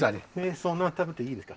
そんなに食べていいんですか？